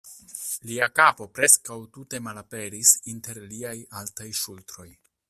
Lia kapo preskaŭ tute malaperis inter liaj altaj ŝultroj.